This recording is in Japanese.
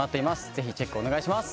ぜひチェックお願いします。